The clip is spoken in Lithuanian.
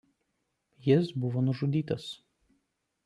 Jis buvo nužudytas.